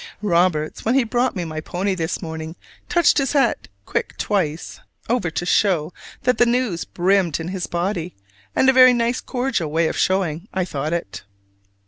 Roberts, when he brought me my pony this morning, touched his hat quick twice over to show that the news brimmed in his body: and a very nice cordial way of showing, I thought it!